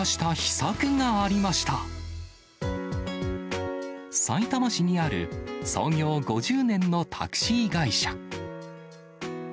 さいたま市にある、創業５０年のタクシー会社。